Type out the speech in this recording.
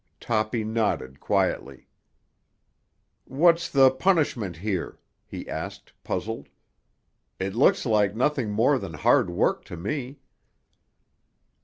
Toppy nodded quietly. "What's the punishment here?" he asked, puzzled. "It looks like nothing more than hard work to me."